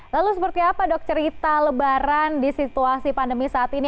lalu seperti apa dok cerita lebaran di situasi pandemi saat ini